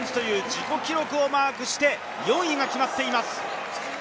自己記録をマークして４位が決まっています。